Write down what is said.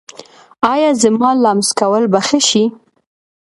ایا زما لمس کول به ښه شي؟